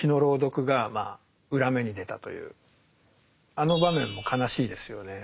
あの場面も悲しいですよね。